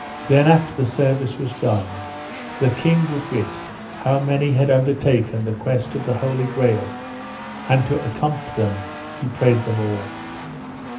Then after the service was done the king would wit how many had undertaken the quest of the Holy Grail; and to accompt them he prayed them all.